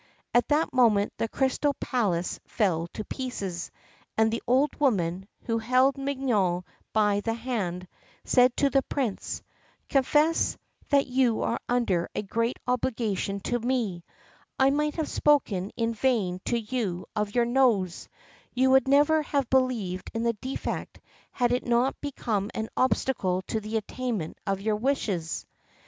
At that moment the crystal palace fell to pieces, and the old woman, who held Mignone by the hand, said to the Prince, "Confess that you are under a great obligation to me; I might have spoken in vain to you of your nose, you would never have believed in the defect had it not become an obstacle to the attainment of your wishes."